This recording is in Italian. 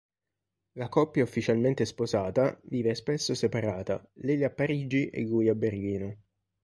La coppia ufficialmente sposata, vive spesso separata: lei a Parigi e lui a Berlino.